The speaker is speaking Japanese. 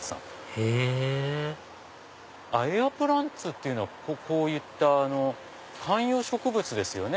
へぇエアプランツっていうのはこういった観葉植物ですよね。